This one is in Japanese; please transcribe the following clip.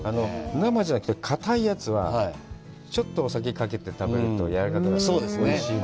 生じゃなくてかたいやつは、ちょっとお酒かけて食べるとやわらかくなって、おいしいね。